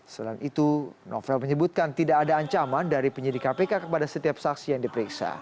selain itu novel menyebutkan tidak ada ancaman dari penyidik kpk kepada setiap saksi yang diperiksa